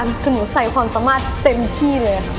วันนี้ค่ะคุณหมูใส่ความสามารถเต็มที่เลยค่ะ